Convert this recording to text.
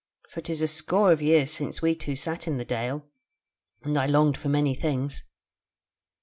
for 'tis a score of years since we two sat in the Dale, and I longed for many things.'